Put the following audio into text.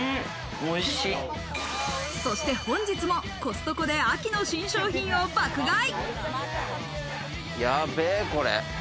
そして本日もコストコで秋の新商品を爆買い。